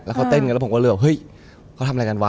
แล้วเขาเต้นกันแล้วผมก็เลยเหลือว่าเฮ้ยเขาทำอะไรกันวะ